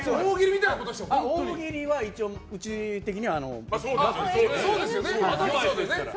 大喜利は一応うち的には×ですから。